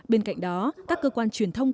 bên cạnh đó các cơ quan truyền thông